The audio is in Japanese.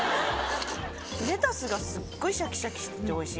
レタスがすっごいシャキシャキしてておいしい。